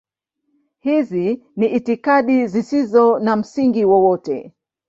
Hizi ni itikadi zisizo na msingi wowote.